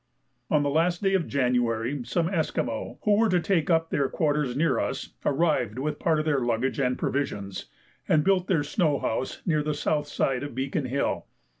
On the last day of January some Esquimaux, who were to take up their quarters near us, arrived with part of their luggage and provisions, and built their snow house near the south side of Beacon Hill.